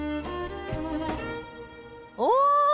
お！